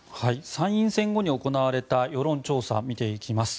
参院選後に行われた世論調査を見ていきます。